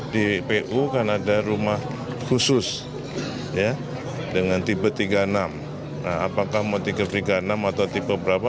di pu kan ada rumah khusus ya dengan tipe tiga puluh enam apakah mau tikus tiga puluh enam atau tipe berapa